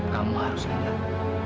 kamu harus ingat